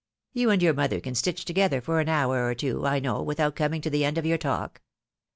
You and your mother can stitch together for an hour or two, I know, without coming to the end of your talk.